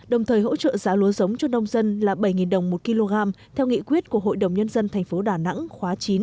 đồng thời hỗ trợ giá lúa giống cho nông dân là bảy đồng một kg theo nghị quyết của hội đồng nhân dân tp đà nẵng khóa chín